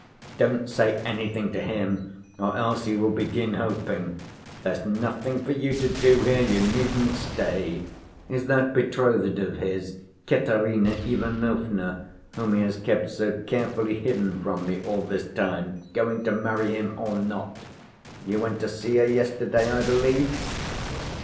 Don't say anything to him or else he will begin hoping. There's nothing for you to do here, you needn't stay. Is that betrothed of his, Katerina Ivanovna, whom he has kept so carefully hidden from me all this time, going to marry him or not? You went to see her yesterday, I believe?"